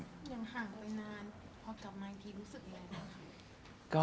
ยังห่างไปนานพอกลับมาอีกทีรู้สึกยังไงครับ